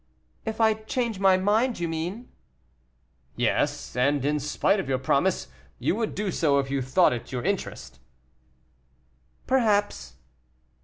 "If I change my mind, you mean." "Yes, and in spite of your promise, you would do so if you thought it your interest." "Perhaps."